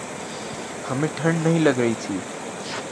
ہمیں ٹھنڈ نہیں لگ رہی تھی۔